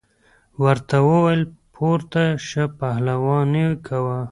ورته وویل پورته شه پهلواني کوه.